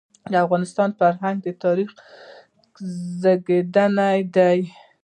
د افغانستان فرهنګ د تاریخ زېږنده دی.